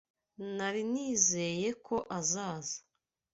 Nari nizeye ko azaza.